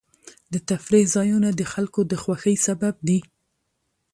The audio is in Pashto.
د تفریح ځایونه د خلکو د خوښۍ سبب دي.